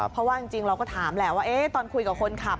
เพราะว่าจริงเราก็ถามแหละว่าตอนคุยกับคนขับ